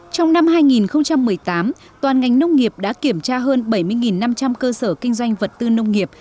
trong năm hai nghìn một mươi tám toàn ngành nông nghiệp đã kiểm tra hơn bảy mươi năm trăm linh cơ sở kinh doanh vật tư nông nghiệp